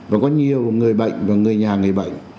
và có nhiều người bệnh và người nhà người bệnh